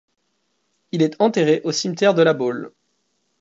Il est enterré au cimetière de La Baule.